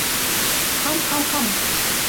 Хам-хам-хам!